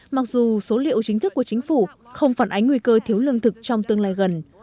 mặc dù số liệu chính thức của chính phủ không phản ánh nguy cơ thiếu lương thực trong tương lai gần